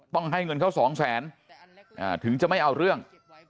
ให้เงินเขาสองแสนถึงจะไม่เอาเรื่อง